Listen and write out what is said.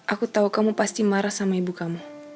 aku tahu kamu pasti marah sama ibu kamu